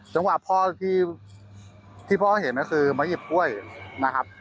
จังหวะพ่อที่พ่อเห็นก็คือมาหยิบกล้วยนะครับ